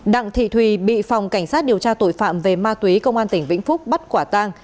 đặng thị thùy bị phòng cảnh sát điều tra tội phạm về ma túy công an tỉnh vĩnh phúc bắt quả tang